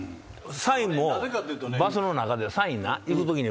サインもバスの中でサインな行くときに。